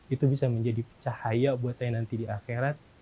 itu bisa menjadi cahaya buat saya nanti di akhirat